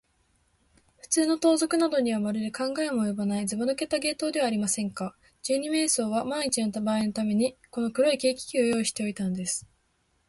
ふつうの盗賊などには、まるで考えもおよばない、ずばぬけた芸当ではありませんか。二十面相はまんいちのばあいのために、この黒い軽気球を用意しておいたのです。